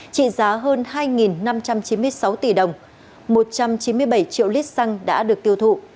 trị giá hơn hai năm trăm chín mươi sáu tỷ đồng một trăm chín mươi bảy triệu lít xăng đã được tiêu thụ